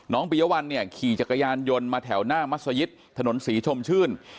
น้องปิยะวันขี่จักรยานยนต์มาแถวหน้ามัสยิตถนนศรีชมชื่น